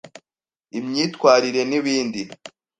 imyitwarire n’ibindi;